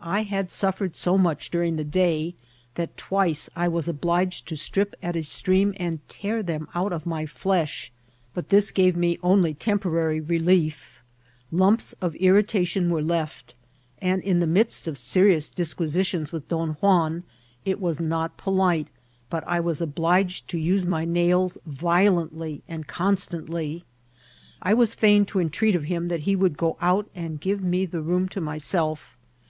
I had suffered so much during die day, that twice I was obliged to strip at a stream and tear them out of my flesh ; but this gave me only temporary relief; lumps of irritation were left ; and in the midst of serious dis* quisitions with Don Juan, it was not polite, but I was obliged to use my nails violently and constantly. I was fiedn lo entreat of him that he would go out and give me the room to myself.